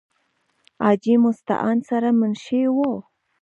حاجې مستعان سره منشي وو ۔